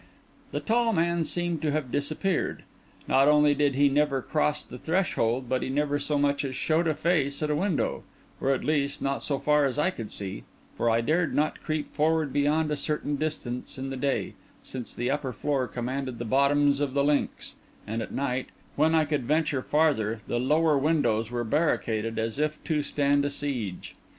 The tall man seemed to have disappeared. Not only did he never cross the threshold, but he never so much as showed face at a window; or, at least, not so far as I could see; for I dared not creep forward beyond a certain distance in the day, since the upper floor commanded the bottoms of the links; and at night, when I could venture farther, the lower windows were barricaded as if to stand a siege.